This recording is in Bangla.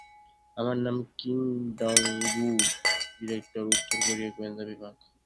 আমার নাম কিম ডং-গ্যু, ডিরেক্টর, উত্তর কোরিয়া গোয়েন্দা বিভাগ।